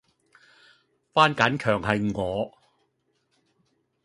番梘強係我